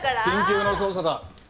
緊急の捜査だ。